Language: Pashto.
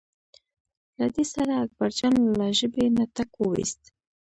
له دې سره اکبرجان له ژبې نه ټک وویست.